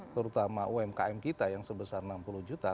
terutama umkm kita yang sebesar enam puluh juta